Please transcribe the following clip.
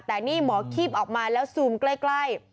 แต่นี่หมอคีบออกมาแล้วซูมใกล้